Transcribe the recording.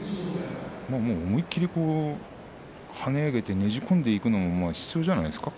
思いっきり跳ね上げてねじ込んでいくのも必要じゃないですか。